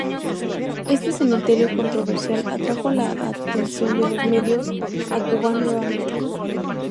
Este comentario controversial atrajo la atención de los medios a Cuban nuevamente.